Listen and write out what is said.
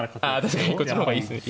確かにこっちの方がいいですね。